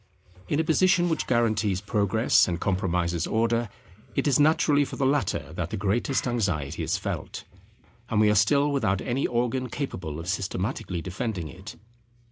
In a position which guarantees Progress and compromises Order, it is naturally for the latter that the greatest anxiety is felt; and we are still without any organ capable of systematically defending it.